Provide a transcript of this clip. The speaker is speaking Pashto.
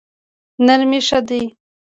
نرمي ښه دی.